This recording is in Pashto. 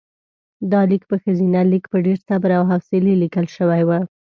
دا لیک په ښځینه لیک په ډېر صبر او حوصلې لیکل شوی و.